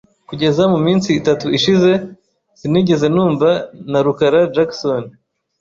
Kugeza muminsi itatu ishize, sinigeze numva na rukara Jackson .